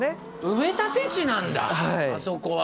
埋め立て地なんだあそこは。